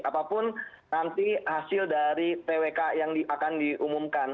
apapun nanti hasil dari twk yang akan diumumkan